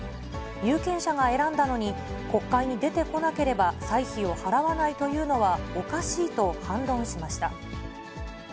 有権者が選んだのに、国会に出てこなければ歳費を払わないというのはおかしいと反論しました。